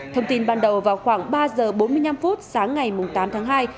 thông tin ban đầu vào khoảng ba giờ bốn mươi năm sáng ngày tám tháng hai